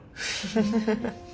フフフッ。